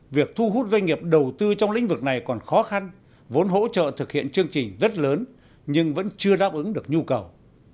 việc thu hút doanh nghiệp đầu tư trong lĩnh vực này còn khó khăn vốn hỗ trợ thực hiện chương trình rất lớn nhưng vẫn chưa đáp ứng được nhu cầu